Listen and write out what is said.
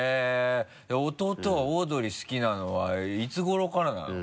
弟はオードリー好きなのはいつ頃からなの？